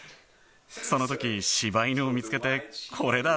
そのとき、柴犬を見つけて、これだ！